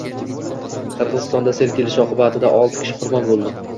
Qirg‘izistonda sel kelishi oqibatida olti kishi qurbon bo‘ldi